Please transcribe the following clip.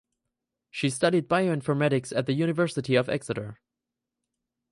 She studied Bioinformatics at the University of Exeter.